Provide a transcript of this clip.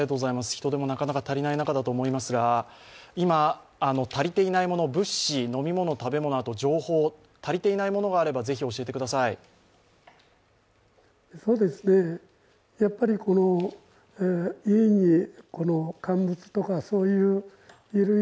人手もなかなか足りない中だと思いますが、今足りていないもの、物資、飲み物、食べ物、情報、足りていないものがあれば、是非教えてください。